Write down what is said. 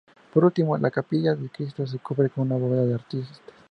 Por último, la capilla del Cristo se cubre con bóveda de aristas.